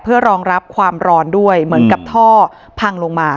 เพื่อรองรับความร้อนด้วยเหมือนกับท่อพังลงมา